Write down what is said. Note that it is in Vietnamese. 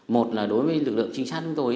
một là đối với lực lượng chính sách của chúng tôi